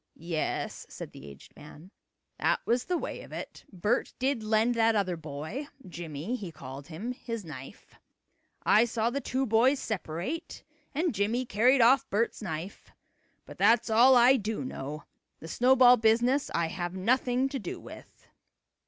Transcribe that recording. "Yes," said the aged man, "that was the way of it. Bert did lend that other boy Jimmie he called him his knife. I saw the two boys separate and Jimmie carried off Bert's knife. But that's all I do know. The snowball business I have nothing to do with."